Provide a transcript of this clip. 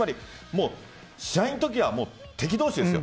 試合のときは敵同士ですよ。